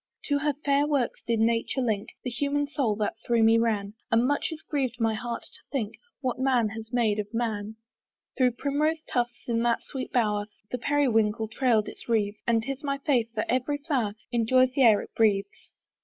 To her fair works did nature link The human soul that through me ran; And much it griev'd my heart to think What man has made of man. Through primrose tufts, in that sweet bower, The periwinkle trail'd its wreathes; And 'tis my faith that every flower Enjoys the air it breathes.